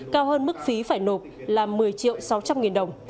cao hơn mức phí phải nộp là một mươi triệu sáu trăm linh nghìn đồng